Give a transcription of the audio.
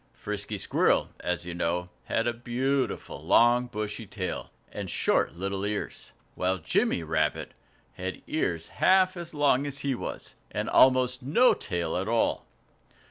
Frisky Squirrel, as you know, had a beautiful, long, bushy tail, and short little ears; while Jimmy Rabbit had ears half as long as he was, and almost no tail at all!